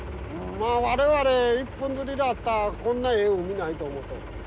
我々一本釣りだったらこんなええ海ないと思っとる。